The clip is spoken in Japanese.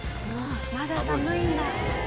まだ寒いんだ。